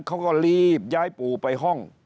เขาก็รีบย้ายปู่ไปห้อง